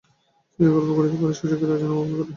চিরকাল যে গল্প করিতে পারে, শশীকে তা যেন অপমান করে।